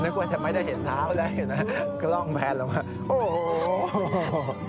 นึกว่าจะไม่ได้เห็นเท้าได้นะก็ล่องแผ่นลงมาโอ้โห